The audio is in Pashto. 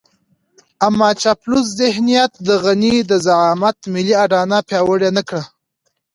اما چاپلوس ذهنيت د غني د زعامت ملي اډانه پياوړې نه کړه.